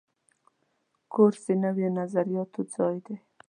کورس د نویو نظریاتو ځای دی.